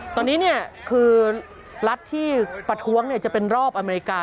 ตอนนี้เนี่ยคือรัฐที่ประท้วงเนี่ยจะเป็นรอบอเมริกา